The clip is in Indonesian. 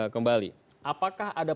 kembali apakah ada